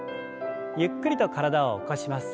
ゆっくりと体を起こします。